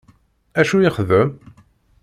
Acu ixeddem?